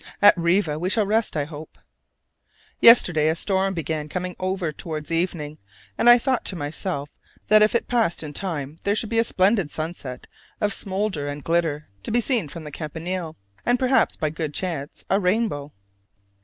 At Riva we shall rest, I hope. Yesterday a storm began coming over towards evening, and I thought to myself that if it passed in time there should be a splendid sunset of smolder and glitter to be seen from the Campanile, and perhaps by good chance a rainbow.